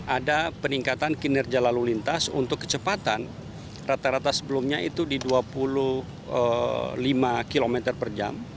ada peningkatan kinerja lalu lintas untuk kecepatan rata rata sebelumnya itu di dua puluh lima km per jam